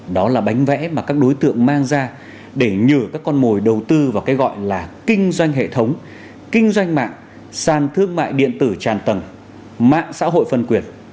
đó là bánh vẽ mà các đối tượng mang ra để nhờ các con mồi đầu tư vào cái gọi là kinh doanh hệ thống kinh doanh mạng sàn thương mại điện tử tràn tầng mạng xã hội phân quyền